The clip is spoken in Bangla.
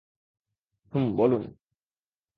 হুম, বলুন।